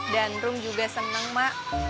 dan sis ku juga seneng mak